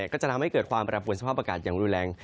ก็จะทำให้เกิดความแปรปวนสภาพอากาศอย่างรุนแรง